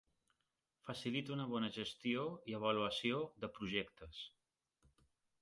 Facilita una bona gestió i avaluació de projectes.